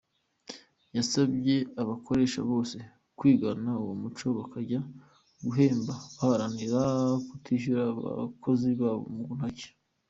Yasabye abakoresha bose kwigana uwo muco, bajya guhemba bagaharanira kutishyura abakozi babo mu ntoki.